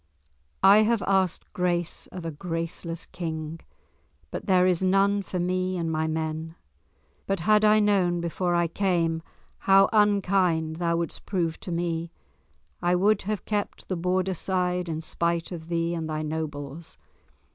I have asked grace of a graceless King, but there is none for me and my men. But had I known before I came how unkind thou wouldst prove to me, I would have kept the Borderside in spite of thee and thy nobles.